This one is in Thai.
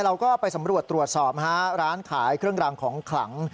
เราก็ไปสำรวจตรวจสอบร้านขายเครื่องรางของขลัง